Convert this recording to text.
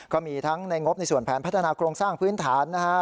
ก็มีทั้งในงบในส่วนแผนพัฒนาโครงสร้างพื้นฐานนะฮะ